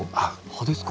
葉ですか？